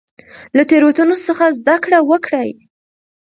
له تیروتنو څخه زده کړه وکړئ.